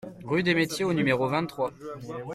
Rue des Metiers au numéro vingt-trois